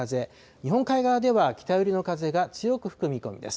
日本海側では北寄りの風が強く吹く見込みです。